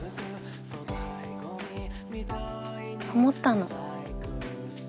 思ったの。